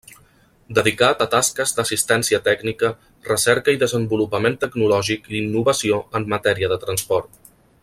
Dedicat a tasques d'assistència tècnica, recerca i desenvolupament tecnològic i innovació en matèria de transport.